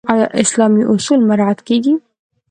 آیا اسلامي اصول مراعات کیږي؟